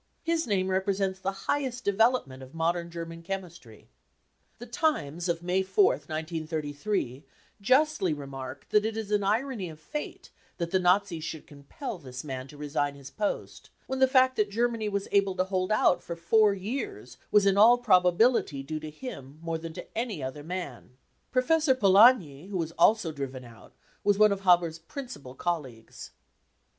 His name V represents the highest development of modern German chemistry. The Times of May 4th, 1933, justly remarked I tha*c it is an irony of fate that the Nazis should " compel 99 164 BROWN BOOK OF THE HITLER TERROR this man to resign his post, when the fact that Germany was able to hold out for four years was in all probability due to him more than to any other man. Professor Polanyi, who was also driven out, was one of Haber's principal colleagues.